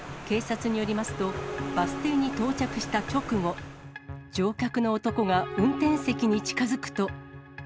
警察によりますと、バス停に到着した直後、乗客の男が運転席に近づくと。